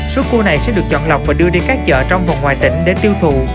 số cua này sẽ được chọn lọc và đưa đi các chợ trong và ngoài tỉnh để tiêu thụ